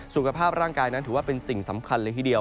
สุขภาพร่างกายนั้นถือว่าเป็นสิ่งสำคัญเลยทีเดียว